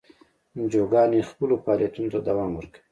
انجیوګانې خپلو فعالیتونو ته دوام ورکوي.